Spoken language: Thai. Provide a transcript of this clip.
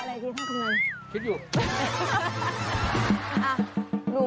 แม่หนูขอโทษนะไม่เป็นไร